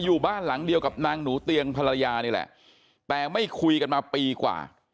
อยู่บ้านหลังเดียวกับนางหนูเตียงภรรยานี่แหละแต่ไม่คุยกันมาปีกว่า